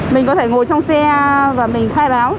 mình có thể ngồi trong xe và mình khai báo